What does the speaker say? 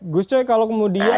gus coy kalau kemudian